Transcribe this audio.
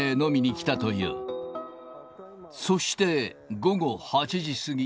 そして午後８時過ぎ。